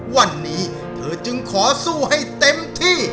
วันนี้เธอจึงขอสู้ให้เต็มที่